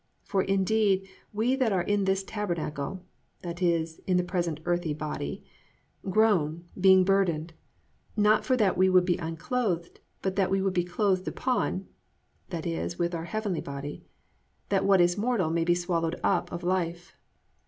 For indeed we that are in this tabernacle+ (i.e., in the present earthy body) +groan, being burdened; not for that we would be unclothed, but that we would be clothed upon+ (i.e., with our heavenly body), +that what is mortal may be swallowed up of life."